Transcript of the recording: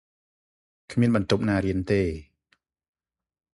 គ្មានបន្ទប់ណារៀនទេ ។